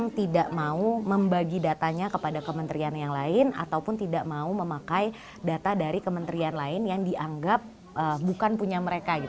yang tidak mau membagi datanya kepada kementerian yang lain ataupun tidak mau memakai data dari kementerian lain yang dianggap bukan punya mereka